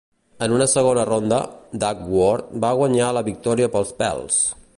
En una segona ronda, Dagworth va guanyar la victòria pels pèls.